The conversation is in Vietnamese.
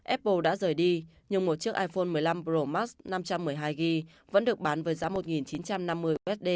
apple đã rời đi nhưng một chiếc iphone một mươi năm pro max năm trăm một mươi hai g vẫn được bán với giá một chín trăm năm mươi usd